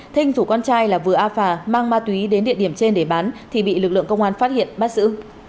thinh rủ con trai là vừa a phà mang ma túy đến địa điểm trên để bán thì bị lực lượng công an phát hiện bắt giữ